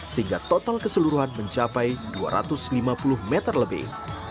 sehingga total keseluruhan mencapai dua ratus lima puluh meter lebih